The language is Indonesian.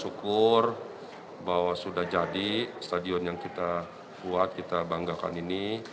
syukur bahwa sudah jadi stadion yang kita buat kita banggakan ini